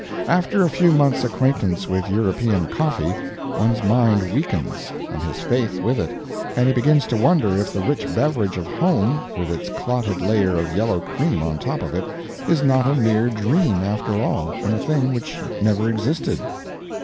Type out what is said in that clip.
After a few months' acquaintance with European "coffee," one's mind weakens, and his faith with it, and he begins to wonder if the rich beverage of home, with its clotted layer of yellow cream on top of it, is not a mere dream, after all, and a thing which never existed.